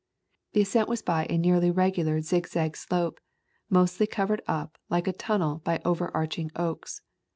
The ascent was by a nearly regu lar zigzag slope, mostly covered up like a tun nel by overarching oaks.